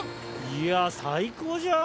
や最高じゃん！